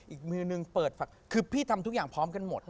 อีกมือนึงเปิดฝักคือพี่ทำทุกอย่างพร้อมกันหมด